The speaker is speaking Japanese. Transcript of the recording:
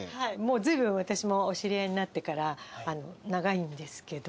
ずいぶん私もお知り合いになってから長いんですけど。